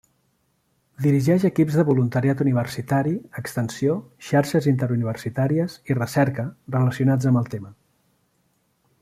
Dirigeix equips de voluntariat universitari, extensió, xarxes interuniversitàries i recerca relacionats amb el tema.